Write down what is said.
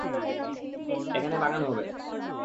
এখানে বাগান হবে।